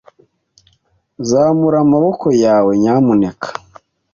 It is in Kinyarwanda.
Zamura amaboko yawe, nyamuneka.